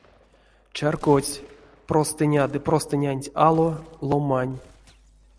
Чарькодсь: простыня ды простынянть ало — ломань.